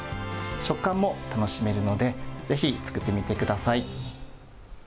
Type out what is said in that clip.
食感も楽しめるので、ぜひ作ってみてください。